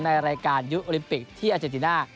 ในรายการยุคโอลิมปิกที่อาเจนติน่า